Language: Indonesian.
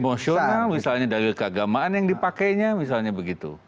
emosional misalnya dalil keagamaan yang dipakainya misalnya begitu